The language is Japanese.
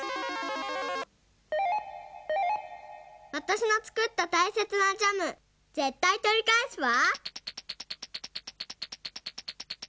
わたしのつくったたいせつなジャムぜったいとりかえすわ。